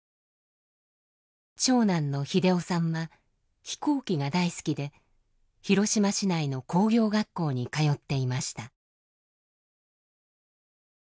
長男の秀雄さんは飛行機が大好きで広島市内の工業学校に通っていました。